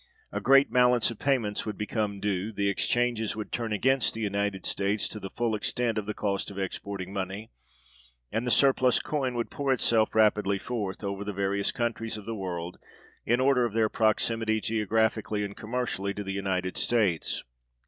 A great balance of payments would become due, the exchanges would turn against the United States, to the full extent of the cost of exporting money; and the surplus coin would pour itself rapidly forth, over the various countries of the world, in the order of their proximity, geographically and commercially, to the United States.